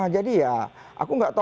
jadi ya aku nggak tahu